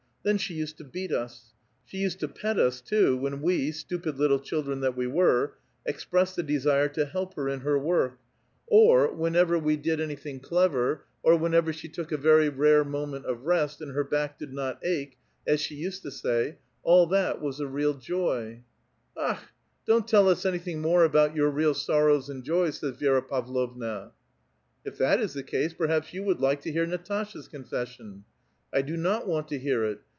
Then she used to beat us. She used to pet IIS too, when we, stupid little children that we were, expressed a desire to help her in her work, or whenever we 166 A VITAL QUESTION. did any tiling clever, or whenever she took a very rare moment of rest, and her back did not ache, as she used to say — all that was a real joy —"''^ Akh! don't tell us anything more about your real sor rows and joys," says V^kira Pavlovna. "If that is the case, jjerhaps you would like to hear Natasha's confession?" "I do not want to hear it.